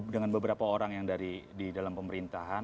dengan beberapa orang yang dari di dalam pemerintahan